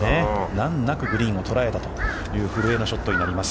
難なくグリーンを捉えたという古江のショットになります。